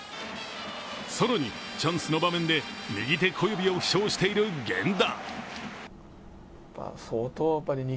更にチャンスの場面で右手小指を負傷している源田。